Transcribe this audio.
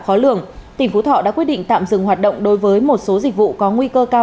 khó lường tỉnh phú thọ đã quyết định tạm dừng hoạt động đối với một số dịch vụ có nguy cơ cao